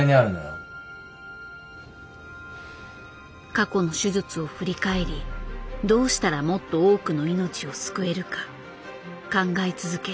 過去の手術を振り返りどうしたらもっと多くの命を救えるか考え続ける。